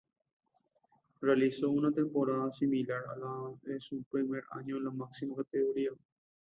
Realizó una temporada similar a la de su primer año en la máxima categoría.